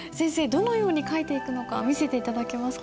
どのように書いていくのか見せて頂けますか？